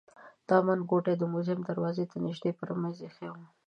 دا منګوټی د موزیم دروازې ته نژدې پر مېز ایښی و.